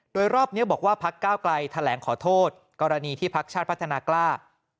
โดยรอบนี้บอกว่าพักก้าวไกลแถลงขอโทษกรณีที่พักชาติพัฒนากล้า